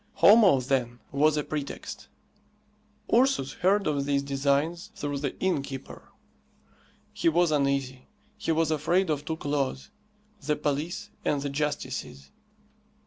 Homo, then, was a pretext. Ursus heard of these designs through the inn keeper. He was uneasy. He was afraid of two claws the police and the justices.